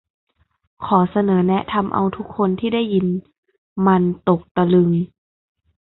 ขอเสนอแนะทำเอาทุกคนที่ได้ยินมันตกตะลึง